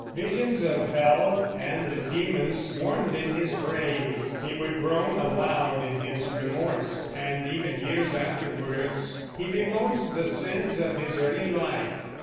Visions of hell and the demons swarmed in his brain. He would groan aloud in his remorse, and even years afterwards he bemoans the sins of his early life.